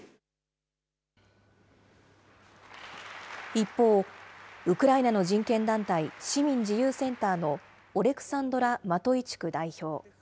一方、ウクライナの人権団体、市民自由センターのオレクサンドラ・マトイチュク代表。